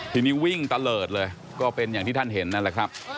ทีนี้วิ่งตะเลิศเลยก็เป็นอย่างที่ท่านเห็นนั่นแหละครับ